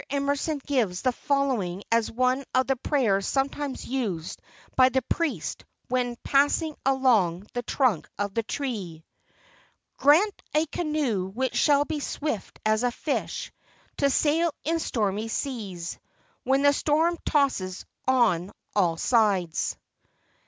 Emerson gives the following as one of the prayers sometimes used by the priest when pass¬ ing along the trunk of the tree: " Grant a canoe which shall be swift as a fish To sail in stormy seas When the storm tosses on all sides."